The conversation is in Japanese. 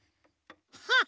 ハッ！